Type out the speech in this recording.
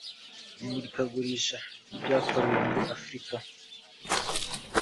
imurikagurisha ry’ibyakorewe muri Afurika